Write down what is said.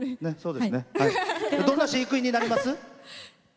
どんな飼育員になります？